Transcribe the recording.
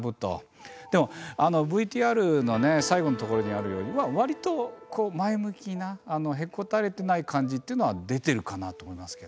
でもＶＴＲの最後のところにあるようにわりとこう前向きなへこたれてない感じっていうのは出てるかなと思いますけど。